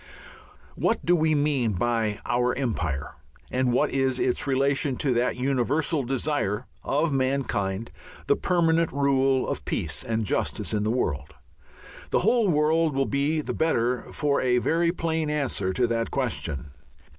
What do we mean by our Empire, and what is its relation to that universal desire of mankind, the permanent rule of peace and justice in the world? The whole world will be the better for a very plain answer to that question.